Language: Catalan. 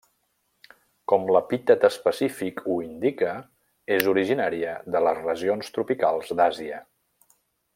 Com l'epítet específic ho indica, és originària de les regions tropicals d'Àsia.